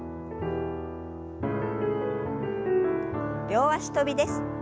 両脚跳びです。